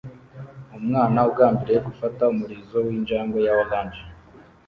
Umwana ugambiriye gufata umurizo w'injangwe ya orange